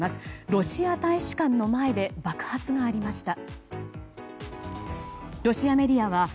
ロシア大使館の前で爆発がありました。